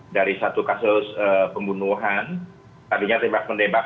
dari satu kasus pembunuhan tadinya tembak menembak